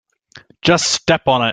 Just step on it.